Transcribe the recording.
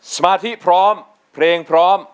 สมาธิพร้อมเพลงพร้อม